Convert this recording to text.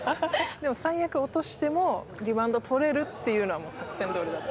でも最悪落としてもリバウンド取れるっていうのはもう作戦どおりだった。